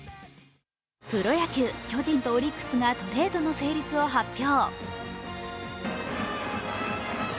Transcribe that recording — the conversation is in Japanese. プロ野球、巨人とオリックスがトレードの成立を発表。